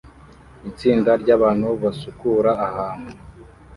Itsinda ryabantu basukura ahantu